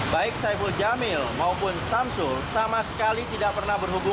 baik saiful jamil maupun samsul sama sekali tidak pernah berhubungan